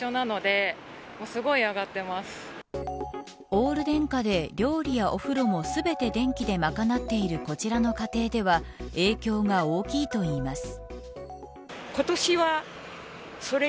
オール電化で料理やお風呂も全て電気で賄っているこちらの家庭では影響が大きいといいます。